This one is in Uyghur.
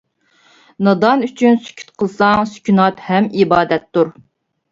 نادان ئۈچۈن سۈكۈت قىلساڭ، سۈكۈنات ھەم ئىبادەتتۇر.